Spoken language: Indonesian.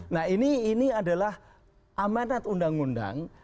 nah ini adalah amanat undang undang